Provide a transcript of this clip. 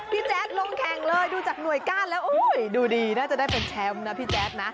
แจ๊ดลงแข่งเลยดูจากหน่วยก้านแล้วดูดีน่าจะได้เป็นแชมป์นะพี่แจ๊ดนะ